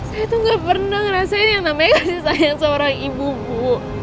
saya tuh gak pernah ngerasain yang namanya kasih sayang seorang ibu bu